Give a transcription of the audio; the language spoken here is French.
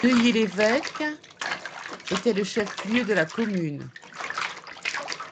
Neuilly-l'Évêque était le chef-lieu de la commune.